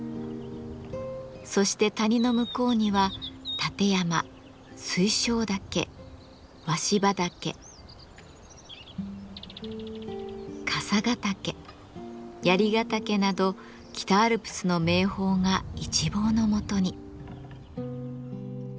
そして谷の向こうには立山水晶岳鷲羽岳笠ヶ岳槍ヶ岳など北アルプスの名峰が一望のもとに。